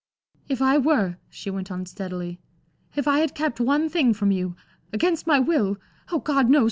"If I were," she went on, steadily, "if I had kept one thing from you against my will oh, God knows!